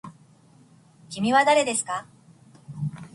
きみはだれですか。